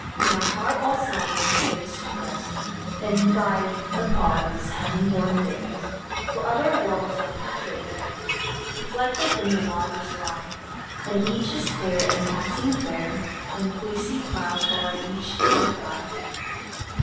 My heart all silent stays to rest And bide apart these heaven born days! For other worlds are pictured there; Reflected in the waters lie; And each is clear and passing fair, And fleecy clouds o'er each glide by!